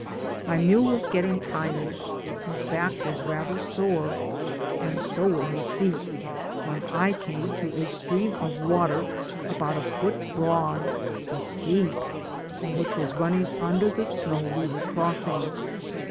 My mule was getting tired, his back was rather sore, and so were his feet, when I came to a stream o£ water about a foot broad, but deep, and which was running under the snow we were cross* ing.